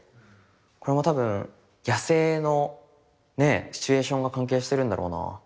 これも多分野生のねシチュエーションが関係してるんだろうな。